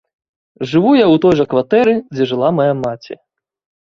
Жыву я ў той жа кватэры, дзе жыла мая маці.